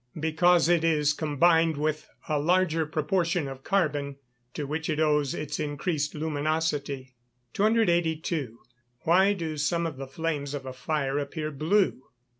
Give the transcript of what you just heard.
_ Because it is combined with a larger proportion of carbon, to which it owes its increased luminosity. 282. _Why do some of the flames of a fire appear blue?